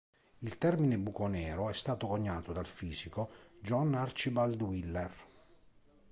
Il termine "buco nero" è stato coniato dal fisico John Archibald Wheeler.